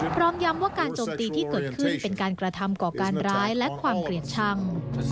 พร้อมย้ำว่าการโจมตีที่เกิดขึ้นเป็นการกระทำก่อการร้ายและความเกลียดชัง